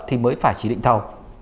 thì mới phải trì định thầu